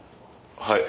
はい。